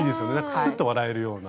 クスッと笑えるような。